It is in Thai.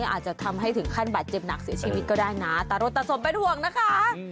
อาจจะทำให้ถึงขั้นบาดเจ็บหนักเสียชีวิตก็ได้นะตารดตาสมเป็นห่วงนะคะ